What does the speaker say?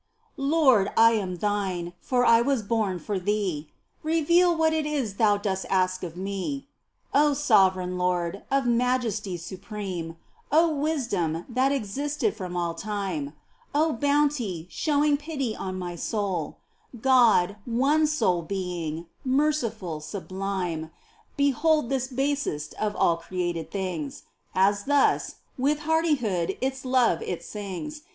Lord, I am Thine, for I was born for Thee ! Reveal what is it Thou dost ask of me. O sovereign Lord, of majesty supreme ! O Wisdom, that existed from all time ! Bounty, showing pity on my soul ! God, one sole Being, merciful, sublime. Behold this basest of created things. As thus, with hardihood its love it sings.